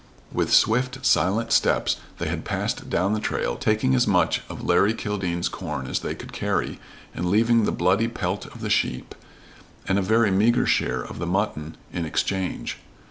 With swift, silent steps they had passed down the trail, taking as much of Larry Kildene's corn as they could carry, and leaving the bloody pelt of the sheep and a very meager share of the mutton in exchange.